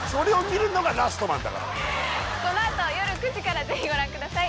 このあとよる９時からぜひご覧ください